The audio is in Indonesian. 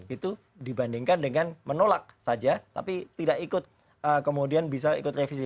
itu dibandingkan dengan menolak saja tapi tidak ikut kemudian bisa ikut revisi